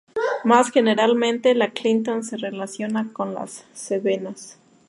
Más generalmente, la clinton se relaciona con las Cevenas.